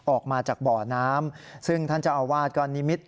ออกมาจากบ่อน้ำซึ่งท่านเจ้าอาวาสก็นิมิตร